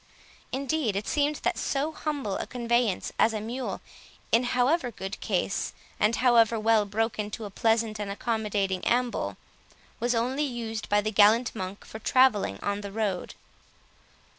Indeed, it seemed that so humble a conveyance as a mule, in however good case, and however well broken to a pleasant and accommodating amble, was only used by the gallant monk for travelling on the road.